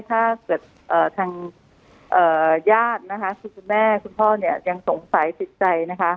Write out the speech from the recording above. ถ้าเกิดทางญาตินะคะคือคุณแม่คุณพ่อเนี่ยยังสงสัยติดใจนะคะ